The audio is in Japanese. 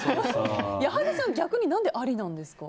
矢作さん逆に何でありなんですか？